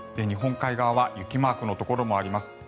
日本海側は雪マークのところもあります。